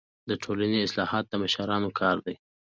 د ټولني اصلاحات د مشرانو کار دی.